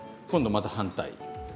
今度また反対。